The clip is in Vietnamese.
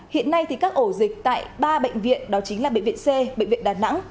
hiện nay các ổ dịch tại ba bệnh viện đó chính là bệnh viện c bệnh viện đà nẵng